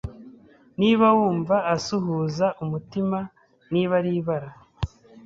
niba wumva asuhuza umutima Niba ari ibara